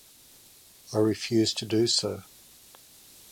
I refuse to do so.